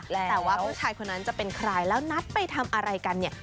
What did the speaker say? แต่ว่าผู้ชายคนนั้นจะเป็นใครแล้วนัดไปทำอะไรกันเนี่ย